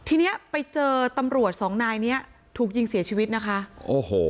ทีเนี้ยไปเจอตำรวจสองนายเนี้ยถูกยิงเสียชีวิตนะคะโอ้โห